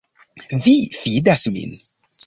Vi fidas min.